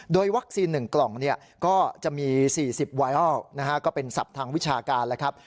โดยวัคซีน๑กล่องเนี่ยก็จะมี๔๐วายออกนะฮะก็เป็นศัพท์ทางวิชาการนะครับ